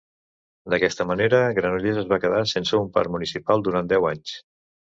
D'aquesta manera, Granollers es va quedar sense un parc municipal durant deu anys.